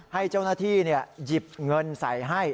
ให้เจ้าหน้าที่หยิบเงินใส่ให้